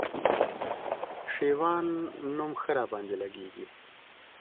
شېوان نوم ښه راباندي لګېږي